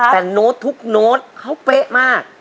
แต่โน้ตทุกโน้ตเขาเป๊ะมาก